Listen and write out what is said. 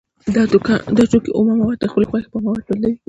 دا توکی اومه مواد د خپلې خوښې په موادو بدلوي